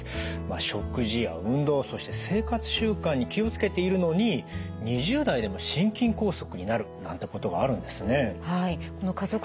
食事や運動そして生活習慣に気を付けているのに２０代でも心筋梗塞になるなんてことがあるんですね。